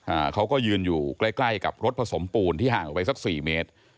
อ่าเขาก็ยืนอยู่ใกล้ใกล้กับรถผสมปูนที่ห่างออกไปสักสี่เมตร